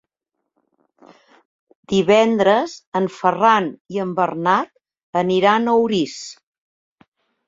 Divendres en Ferran i en Bernat aniran a Orís.